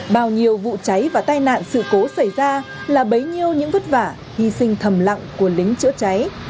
bao nhiêu vụ cháy và tai nạn sự cố xảy ra là bấy nhiêu những vất vả hy sinh thầm lặng của lính chữa cháy